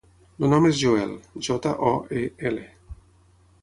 El nom és Joel: jota, o, e, ela.